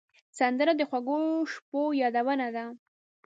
سندره د خوږو شپو یادونه ده